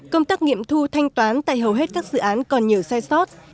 công tác nghiệm thu thanh toán tại hầu hết các dự án còn nhiều sai sót